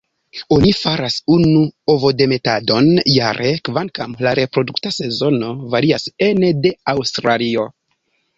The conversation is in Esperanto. Oni faras unu ovodemetadon jare, kvankam la reprodukta sezono varias ene de Aŭstralio.